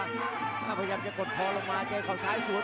แล้วพยายามจะกดพอลงมาใจของซ้ายสวย